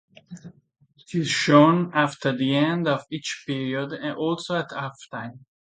It is shown after the end of each period and also at halftime.